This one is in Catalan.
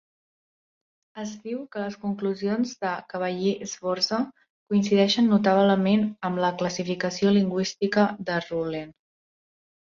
Es diu que les conclusions de Cavalli-Sforza coincideixen notablement amb la classificació lingüística de Ruhlen.